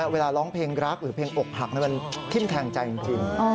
เวลาร้องเพลงรักหรือเพลงอกหักนั่นเป็นทิ้งแข็งใจจริง